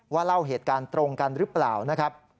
เล่าเหตุการณ์ตรงกันหรือเปล่านะครับ